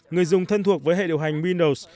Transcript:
người dùng thân thuộc với hệ điều hành windows